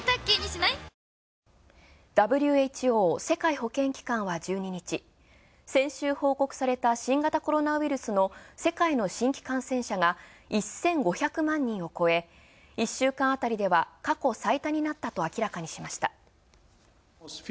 ＷＨＯ＝世界保健機関は１２日、先週報告された新型コロナウイルスの世界の新規感染者が１５００万人を超え、１週間あたりでは過去最多になったと明らかにしました。